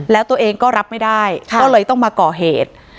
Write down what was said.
แล้วตัวเองก็รับไม่ได้ก็เลยต้องมาก่อเหตุ